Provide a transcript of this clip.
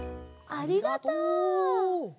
ありがとう。